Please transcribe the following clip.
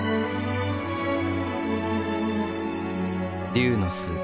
龍の巣